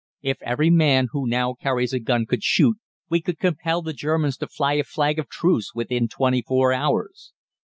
If every man who now carries a gun could shoot, we could compel the Germans to fly a flag of truce within twenty four hours.